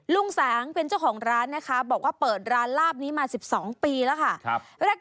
ลุงแสงเป็นเจ้าของร้านนะคะบอกว่าเปิดร้านลาบนี้มา๑๒ปีแล้วค่ะ